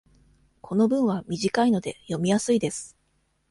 この文は短いので、読みやすいです。